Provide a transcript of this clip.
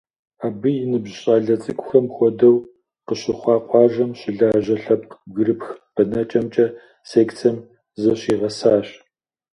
Абы и ныбжь щӏалэ цӏыкӏухэм хуэдэу, къыщыхъуа къуажэм щылажьэ лъэпкъ бгырыпх бэнэкӏэмкӏэ секцэм зыщигъэсащ.